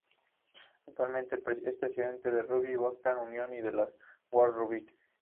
Actualmente es presidente de la Rugby Football Union y de la World Rugby.